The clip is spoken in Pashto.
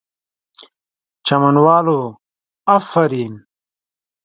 چمن والو آفرین!!